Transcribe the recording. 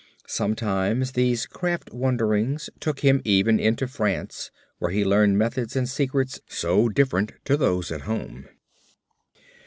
Sometimes these craft wanderings took him even into France, where he learned methods and secrets so different to those at home.